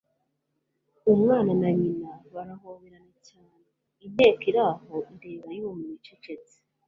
umwana na nyina barahoberana cyane. Inteko iri aho ireba yumiwe, icecetse.